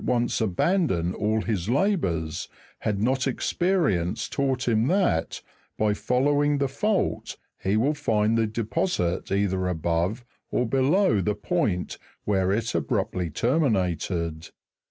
f\l once abandon all his labours, had not experience taught him that, by following the fault, he will find the deposit either above or below the point where it abruptly terminated.